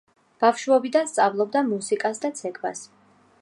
ბავშვობიდან სწავლობდა მუსიკას და ცეკვას.